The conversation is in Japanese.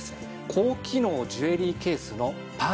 高機能ジュエリーケースのパールキーパー。